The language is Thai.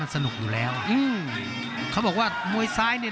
โหโหโหโหโหโหโหโหโหโห